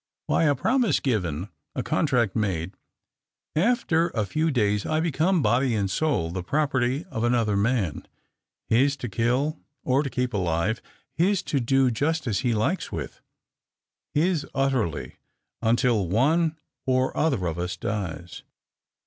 By a promise given — a contract made — after a few days I become body and soul the property of another man, his to kill or to keep alive, his to do just as he likes with, his utterly until one or other of us dies."